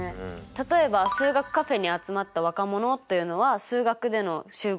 例えば数学カフェに集まった若者というのは数学での集合とは言えませんよね。